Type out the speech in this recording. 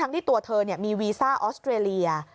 ที่ตัวเธอมีวีซ่าออสเตรเลีย